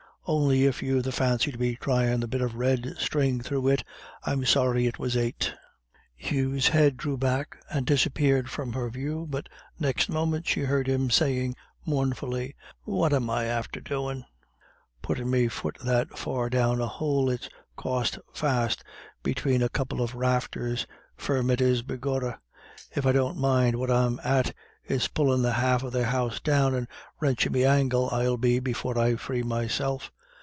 On'y if you've the fancy to be tyin' the bit of red string through it, I'm sorry it was ate." Hugh's head drew back, and disappeared from her view; but next moment she heard him say mournfully: "What am I after doin'? Puttin' me fut that far down a houle it's caught fast between a couple of rafters. Firrm it is, begorrah. If I don't mind what I'm at, it's pullin' the half of their house down, and wranchin' me ankle I'll be before I free meself."